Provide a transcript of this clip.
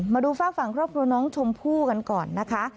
มาดูฝากฝั่งครอบครัวน้องชมพู่กันก่อนนะคะ